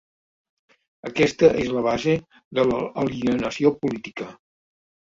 Aquesta és la base de l’alienació política.